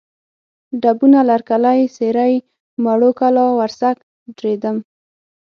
ډبونه، لرکلی، سېرۍ، موړو کلا، ورسک، دړیدم